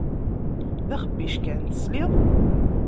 D axebbic kan, tesliḍ?